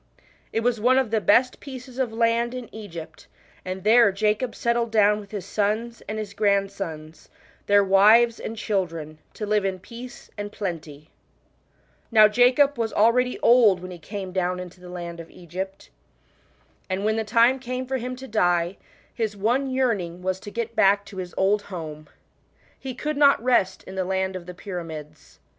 It was one of the best pieces of land in Egypt, and there Jacob settled down with his sons and his grandsons, theii; wiv^s und children, to live in peace and plenty. Now Jacob ?Vas already old when he came down "Thou sAatt am? m* out 24 THE LAND OF GOSHEN. [B.C. 1689. into the land of Egypt. And when the time came for him to die, his one yearning was to get back to his old home. He could not rest in the land of the pyramids.